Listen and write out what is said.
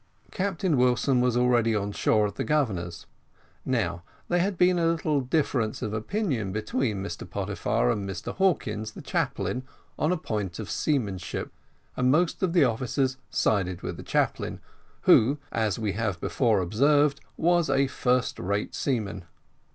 Captain Wilson was already on shore at the Governor's. Now, there had been a little difference of opinion between Mr Pottyfar and Mr Hawkins, the chaplain, on a point of seamanship; and most of the officers sided with the chaplain, who, as we have before observed, was a first rate seaman.